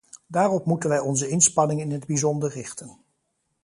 Daarop moeten wij onze inspanningen in het bijzonder richten.